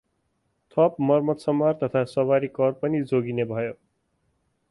थप मर्मतसम्भार तथा सवारी कर पनि जोगिने भयो ।